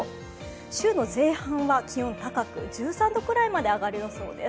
週の前半は気温が高く１３度ぐらいまで上がりそうです。